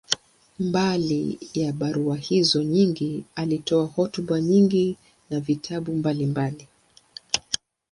Mbali ya barua hizo nyingi, alitoa hotuba nyingi na vitabu mbalimbali.